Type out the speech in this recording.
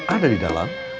ada di dalam